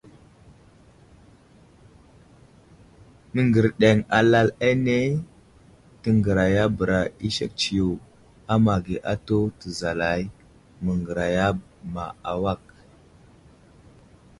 Məŋgerdeŋ alal ane təŋgərayabəra i sek tsiyo a ma age atu təzalay məŋgəraya ma awak.